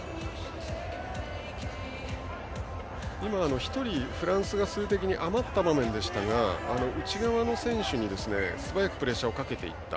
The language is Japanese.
今、１人フランスが数的に余っていましたが内側の選手に素早くプレッシャーをかけていった。